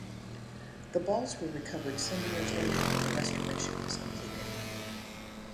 The balls were recovered some years later when the restoration was completed.